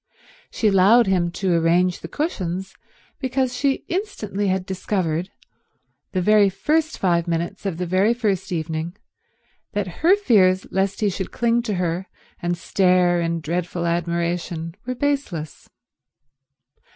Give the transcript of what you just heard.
She allowed him to arrange the cushions because she instantly had discovered, the very first five minutes of the very first evening, that her fears lest he should cling to her and stare in dreadful admiration were baseless.